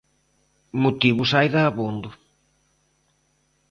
Motivos hai dabondo.